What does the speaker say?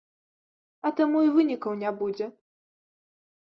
А таму і вынікаў не будзе.